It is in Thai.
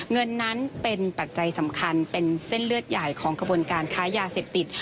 เงินนั้นเป็นปัจจัยสำคัญเป็นเส้นเลือดใหญ่ของกระบวนการค้ายาเสพติด